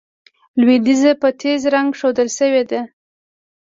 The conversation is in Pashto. لوېدیځه په تېز رنګ ښودل شوي دي.